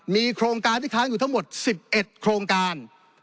มีโครงการที่ค้างอยู่ทั้งหมด๑๑โครงการ